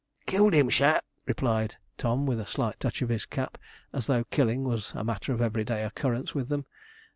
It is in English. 'Killed him, sir,' replied Tom, with a slight touch of his cap, as though 'killing' was a matter of every day occurrence with them.